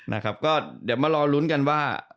นะครับก็เดี๋ยวมารอลุ้นกันว่า